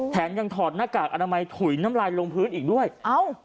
แถมยังถอดหน้ากากอนามัยถุยน้ำลายลงพื้นอีกด้วยเอ้า